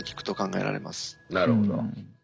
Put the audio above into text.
なるほど。